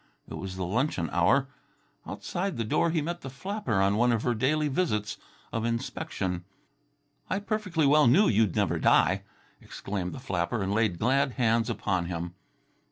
It was the luncheon hour. Outside the door he met the flapper on one of her daily visits of inspection. "I perfectly well knew you'd never die," exclaimed the flapper, and laid glad hands upon him.